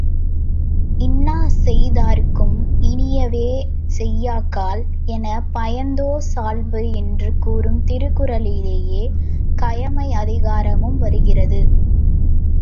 இன்னாசெய் தார்க்கும் இனியவே செய்யாக்கால் என்ன பயத்ததோ சால்பு என்று கூறும் திருக்குறளிலேயே கயமை அதிகாரமும் வருகிறது.